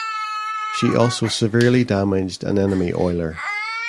She also severely damaged an enemy oiler.